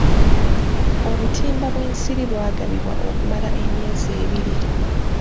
Obutimba bw'ensiri bwagabibwa okumala emyezi ebiri.